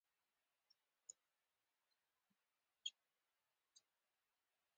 د لومړي ځل لپاره په جهادي ادبياتو کې.